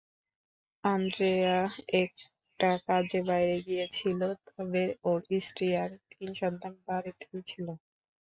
Andrea একটা কাজে বাইরে গিয়েছিল, তবে ওর স্ত্রী আর তিন সন্তান বাড়িতেই ছিল।